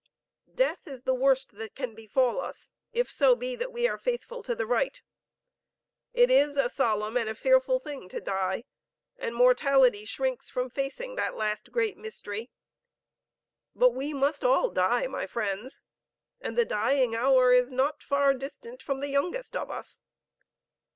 Death is the worst that can befall us, if so be that we are faithful to the right. It is a solemn and a fearful thing to die, and mortality shrinks from facing that last great mystery. But we must all die, my friends, and the dying hour is not far distant from the youngest of us.